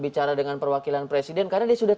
bicara dengan perwakilan presiden karena dia sudah